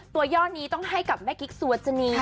ย่อนี้ต้องให้กับแม่กิ๊กสุวจนี